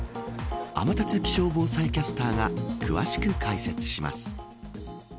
天達気象防災キャスターが詳しく解説します。